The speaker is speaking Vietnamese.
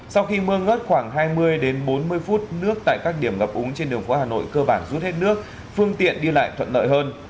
sau khi mưa ngớt khoảng hai mươi đến bốn mươi phút nước tại các điểm ngập úng trên đường phố hà nội cơ bản rút hết nước phương tiện đi lại thuận lợi hơn